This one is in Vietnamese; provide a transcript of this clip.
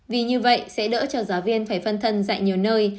vì như vậy sẽ đỡ cho giáo viên phải phân thân tại nhiều nơi